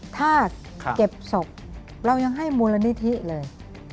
ถ้าเก็บศพเรายังให้มูลนิธิเลย